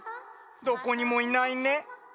どこにもいないね。